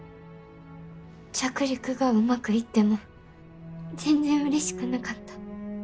着陸がうまくいっても全然うれしくなかった。